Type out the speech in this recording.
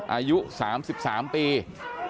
อายุ๓๓ปี